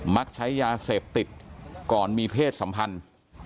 มักใช้ยาเสพติดก่อนมีเพศสัมพันธ์